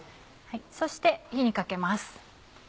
そして火にかけます。